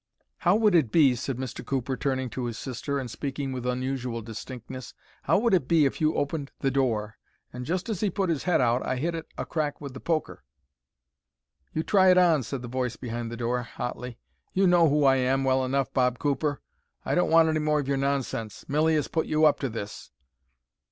"How would it be," said Mr. Cooper, turning to his sister, and speaking with unusual distinctness—"how would it be if you opened the door, and just as he put his head out I hit it a crack with the poker?" "You try it on," said the voice behind the door, hotly. "You know who I am well enough, Bob Cooper. I don't want any more of your nonsense. Milly has put you up to this!"